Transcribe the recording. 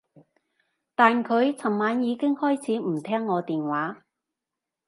但佢噚晚開始已經唔聽我電話